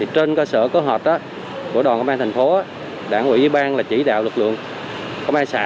trên cơ sở cơ hợp của đoàn công an thành phố đảng ủy ủy ban chỉ đạo lực lượng công an xã